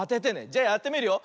じゃやってみるよ。